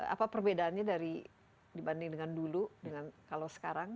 apa perbedaannya dari dibandingkan dulu dengan kalau sekarang